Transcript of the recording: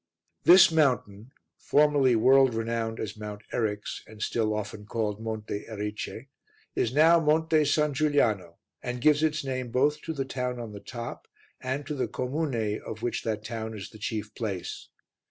This mountain, formerly world renowned as Mount Eryx, and still often called Monte Erice, is now Monte S. Giuliano and gives its name both to the town on the top and to the comune of which that town is the chief place.